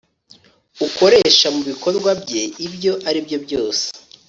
ukoresha mu bikorwa bye ibyo ari byose